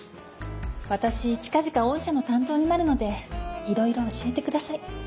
私近々御社の担当になるのでいろいろ教えてください。